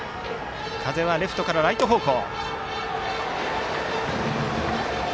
風はレフトからライト方向。